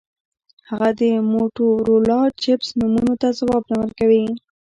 هغه د موټورولا چپس نومونو ته ځواب نه ورکوي